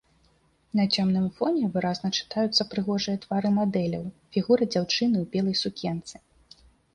На цёмным фоне выразна чытаюцца прыгожыя твары мадэляў, фігура дзяўчыны ў белай сукенцы.